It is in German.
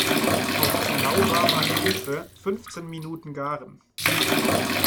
Auf lauwarmer Stufe fünfzehn Minuten garen.